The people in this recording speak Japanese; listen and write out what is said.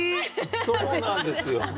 そうなんですよ。